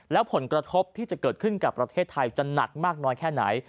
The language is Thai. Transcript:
แล้วผลกระทบที่จะเกิดขึ้นกับประเทศไทยจะหนักมากน้อยแค่ไหน